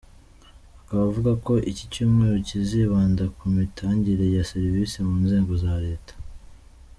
Akaba avuga ko iki cyumweru kizibanda ku mitangire ya serivice mu nzego za leta.